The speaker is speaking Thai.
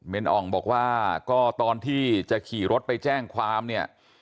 เป็นอ่องบอกว่าก็ตอนที่จะขี่รถไปแจ้งความเนี่ย